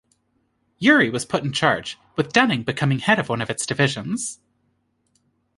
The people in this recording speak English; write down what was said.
Urey was put in charge, with Dunning becoming head of one of its divisions.